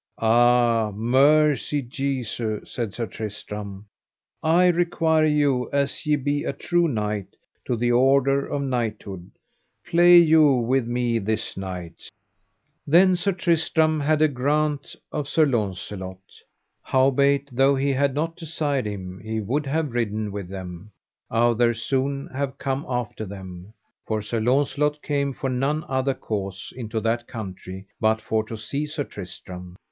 Ah, mercy Jesu, said Sir Tristram, I require you as ye be a true knight to the order of knighthood, play you with me this night. Then Sir Tristram had a grant of Sir Launcelot: howbeit though he had not desired him he would have ridden with them, outher soon have come after them; for Sir Launcelot came for none other cause into that country but for to see Sir Tristram.